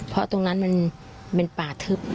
เพราะตรงนั้นมันเป็นป่าทึบ